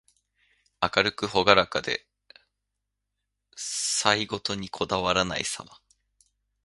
明るくほがらかで、細事にこだわらないさま。